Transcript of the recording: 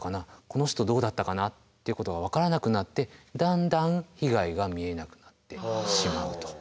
この人どうだったかなってことが分からなくなってだんだん被害が見えなくなってしまうと。